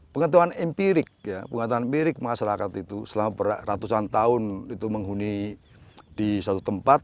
pengetahuan empirik masyarakat itu selama ratusan tahun menghuni di satu tempat